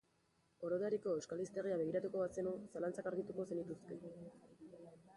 Orotariko euskal hiztegia begiratuko bazenu, zalantzak argituko zenituzke.